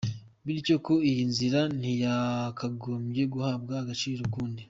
Bityo ko iyi nzira ntiyakagombye guhabwa agaciro ukundi.